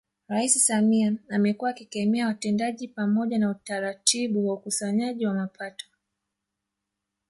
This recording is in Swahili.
Rais Samia amekuwa akikemea watendaji pamoja na utaratibu wa ukusanyaji wa mapato